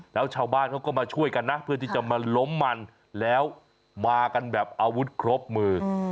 แล้วชาวบ้านเขาก็มาช่วยกันนะเพื่อที่จะมาล้มมันแล้วมากันแบบอาวุธครบมือ